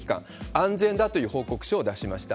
安全だという報告書を出しました。